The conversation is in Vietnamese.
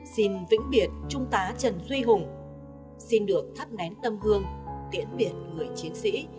xin vĩnh biệt trung tá trần duy hùng xin được thắp nén tâm hương tiễn biệt người chiến sĩ